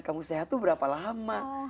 kamu sehat itu berapa lama